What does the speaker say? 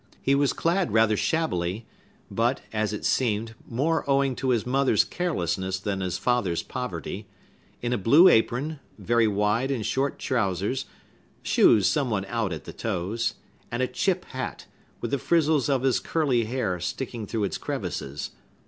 He was clad rather shabbily (but, as it seemed, more owing to his mother's carelessness than his father's poverty), in a blue apron, very wide and short trousers, shoes somewhat out at the toes, and a chip hat, with the frizzles of his curly hair sticking through its crevices.